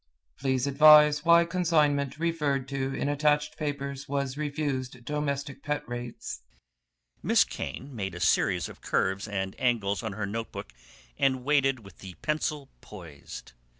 Please advise why consignment referred to in attached papers was refused domestic pet rates."' Miss Kane made a series of curves and angles on her note book and waited with pencil poised.